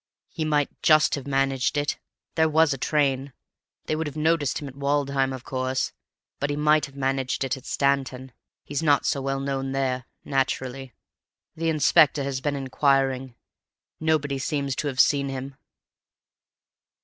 "He might just have managed it. There was a train. They would have noticed him at Woodham, of course, but he might have managed it at Stanton. He's not so well known there, naturally. The inspector has been inquiring. Nobody seems to have seen him."